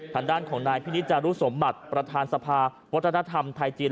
ทางด้านของนายพินิจารุสมบัติประธานสภาวัฒนธรรมไทยจีน